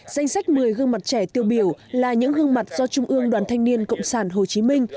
danh sách một mươi gương mặt trẻ tiêu biểu là những gương mặt do trung ương đoàn thanh niên cộng sản hồ chí minh